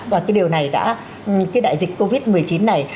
và cái điều này đã cái đại dịch covid một mươi chín này